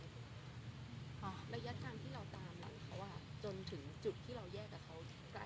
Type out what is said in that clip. อ๋อระยะจังที่เราตามหลังเขาอ่ะ